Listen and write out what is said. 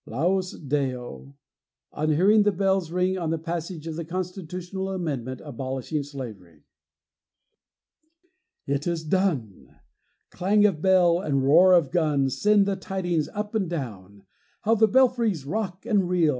LAUS DEO! On hearing the bells ring on the passage of the constitutional amendment abolishing slavery. It is done! Clang of bell and roar of gun Send the tidings up and down. How the belfries rock and reel!